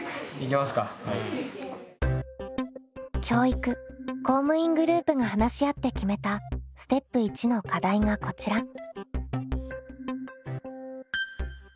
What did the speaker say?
教育・公務員グループが話し合って決めたステップ１の課題がこちら。